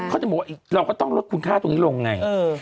เขาจะบอกว่าเราก็ต้องลดคุณค่าตรงนี้ลงไง